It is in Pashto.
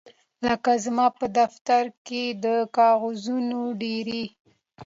لکه زما په دفتر کې د کاغذونو ډیرۍ